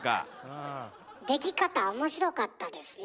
でき方おもしろかったですね。